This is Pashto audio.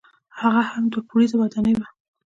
هغه هم دوه پوړیزه ودانۍ وه.